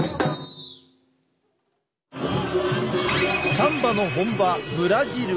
サンバの本場ブラジル！